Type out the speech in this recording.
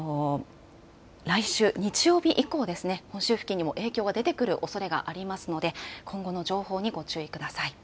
来週日曜日以降、本州付近にも影響が出てくるおそれがありますので今後の情報にご注意ください。